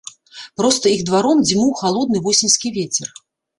Проста іх дваром дзьмуў халодны восеньскі вецер.